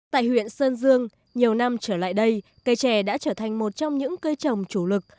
tại huyện sơn dương nhiều năm trở lại đây cây trẻ đã trở thành một trong những cây trồng chủ lực